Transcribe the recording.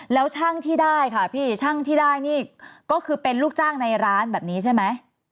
แล้วช่างที่ได้ค่ะพี่ช่างที่ได้นี่ก็คือเป็นลูกจ้างในร้านแบบนี้ใช่ไหม